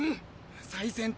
最先端